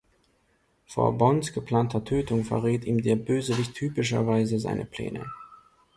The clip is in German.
Vor Bonds geplanter Tötung verrät ihm der Bösewicht typischerweise seine Pläne.